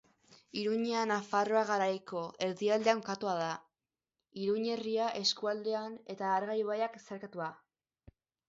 Iruñea Nafarroa Garaiko erdialdean kokatua da, Iruñerria eskualdean, eta Arga ibaiak zeharkatua